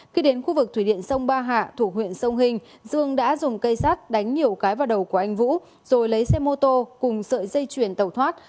khi đến khu vực thủy điện sông ba hạ thủ huyện sông hình dương đã dùng cây sắt đánh nhiều cái vào đầu của anh vũ rồi lấy xe mô tô cùng sợi dây chuyền tẩu thoát